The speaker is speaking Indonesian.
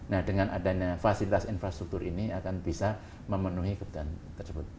nah dengan adanya fasilitas infrastruktur ini akan bisa memenuhi kebutuhan tersebut